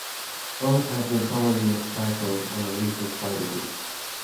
Both have been commonly mis-titled on releases by the group.